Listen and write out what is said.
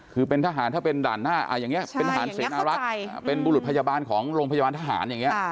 คือเป็นทหารถ้าเป็นด่านหน้าอย่างนี้เป็นทหารเสนารักษ์เป็นบุรุษพยาบาลของโรงพยาบาลทหารอย่างนี้